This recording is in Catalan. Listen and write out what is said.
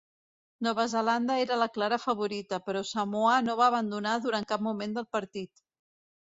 Nova Zelanda era la clara favorita, però Samoa no va abandonar durant cap moment del partit.